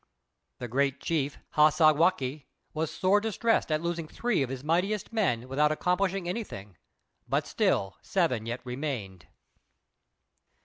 The great chief, Hassagwākq', was sore distressed at losing three of his mightiest men without accomplishing anything, but still, seven yet remained.